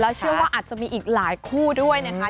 เชื่อว่าอาจจะมีอีกหลายคู่ด้วยนะคะ